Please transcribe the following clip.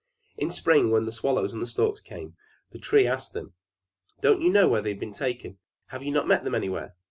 In spring, when the swallows and the storks came, the Tree asked them, "Don't you know where they have been taken? Have you not met them anywhere?"